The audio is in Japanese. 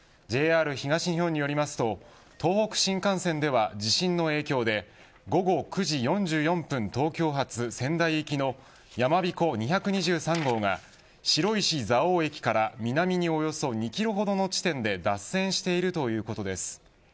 ＪＲ東日本によりますと東北新幹線では地震の影響で午後９時４４分東京発仙台行きのやまびこ２２３号が白石蔵王駅から南におよそ２キロほどの地点で脱線しているということです。